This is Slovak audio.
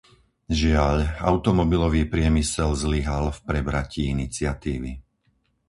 Žiaľ, automobilový priemysel zlyhal v prebratí iniciatívy.